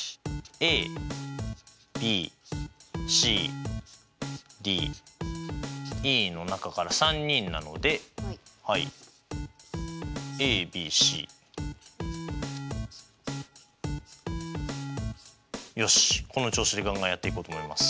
ＡＢＣＤＥの中から３人なのでよしこの調子でガンガンやっていこうと思います。